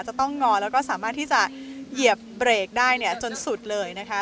ต้องงอแล้วก็สามารถที่จะเหยียบเบรกได้เนี่ยจนสุดเลยนะคะ